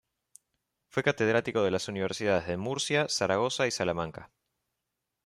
Fue catedrático de las Universidades de Murcia, Zaragoza y Salamanca.